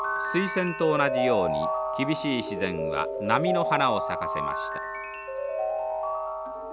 スイセンと同じように厳しい自然は波の花を咲かせました。